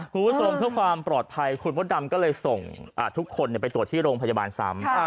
คุณผู้ชมเพื่อความปลอดภัยคุณมดดำก็เลยส่งทุกคนไปตรวจที่โรงพยาบาลซ้ำ